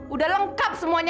udah lengkap semuanya